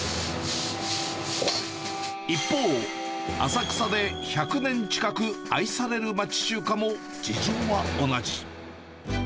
一方、浅草で１００年近く愛される町中華も、事情は同じ。